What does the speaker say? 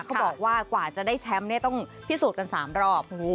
เขาบอกว่ากว่าจะได้แชมป์ต้องพิสูจน์กัน๓รอบ